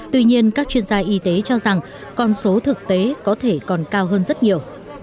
tuy nhiên các chuyên gia y tế cho rằng con số thực tế có thể còn cao hơn rất nhiều